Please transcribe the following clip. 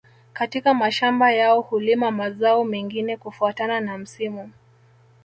Katika mashamba yao hulima mazao mengine kufuatana na msimu